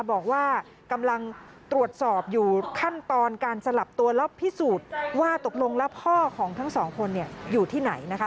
บอกว่ากำลังตรวจสอบอยู่ขั้นตอนการสลับตัวแล้วพิสูจน์ว่าตกลงแล้วพ่อของทั้งสองคนอยู่ที่ไหนนะคะ